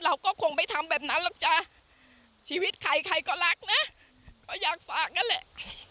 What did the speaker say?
เราก็คงไม่ทำแบบนั้นหรอกจ๊ะชีวิตใครใครก็รักนะก็อยากฝากนั่นแหละ